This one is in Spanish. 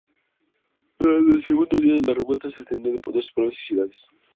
Durante el segundo día la revuelta se extendió a doce pueblos y ciudades.